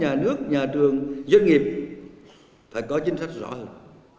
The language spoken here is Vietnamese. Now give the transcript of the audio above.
nhà nước nhà trường doanh nghiệp phải có chính sách rõ hơn